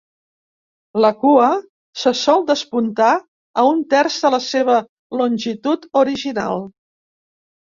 La cua se sol despuntar a un terç de la seva longitud original.